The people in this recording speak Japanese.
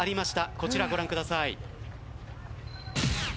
こちら、ご覧ください。